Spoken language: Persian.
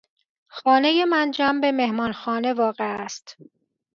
خانهُ من جنب مهمانخانه واقع است.